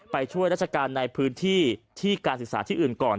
ไปช่วยราชการในพื้นที่ที่การศึกษาที่อื่นก่อน